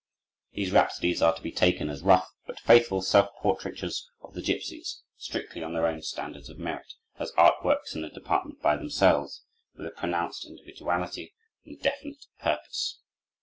These Rhapsodies are to be taken as rough but faithful self portraitures of the gipsies, strictly on their own standards of merit, as art works in a department by themselves, with a pronounced individuality and a definite purpose.